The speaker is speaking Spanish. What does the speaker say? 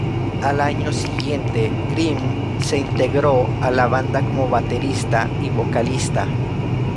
Al año siguiente, Grimm se integró a la banda como baterista y vocalista.